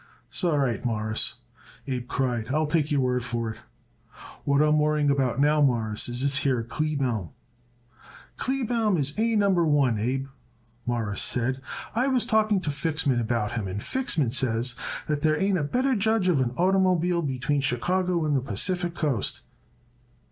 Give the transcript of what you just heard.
"S'all right, Mawruss," Abe cried. "I take your word for it. What I am worrying about now, Mawruss, is this here Kleebaum." "Kleebaum is A Number One, Abe," Morris said. "I was talking to Fixman about him and Fixman says that there ain't a better judge of an oitermobile between Chicago and the Pacific Coast."